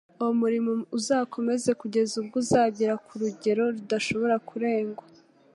uwo murimo uzakomeza kugeza ubwo uzagera ku rugero rudashobora kurengwa.